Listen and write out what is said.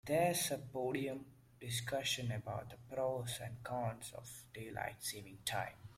There's a podium discussion about the pros and cons of daylight saving time.